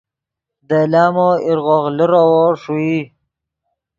دے لامو ایرغوغ لیروّو ݰوئی